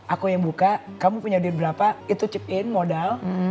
aku yang buka kamu punya duit berapa itu chip in modal